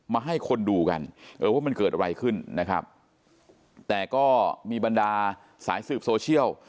มาให้คนดูกันเออว่ามันเกิดอะไรขึ้นนะครับแต่ก็มีบรรดาสายสืบโซเชียล